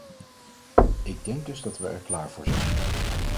Ik denk dus dat we er klaar voor zijn.